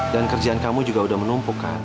dan kerjaan kamu juga udah menumpuk kan